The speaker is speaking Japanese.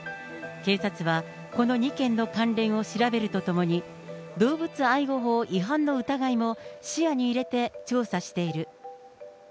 警察はこの２件の関連を調べるとともに、動物愛護法違反の疑いも視野に入れて調査している。